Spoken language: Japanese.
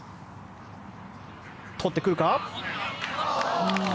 取ってくるか？